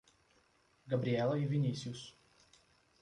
Gabriela e Vinícius